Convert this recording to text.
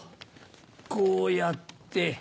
こうやって。